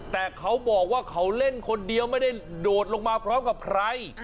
แต่เขาบอกว่าเขาเล่นคนเดียวไม่ได้โดดลงมาพร้อมกับใคร